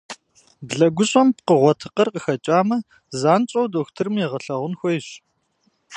Блэгущӏэм пкъыгъуэ тыкъыр къыхэкӏамэ, занщӏэу дохутырым егъэлъэгъун хуейщ.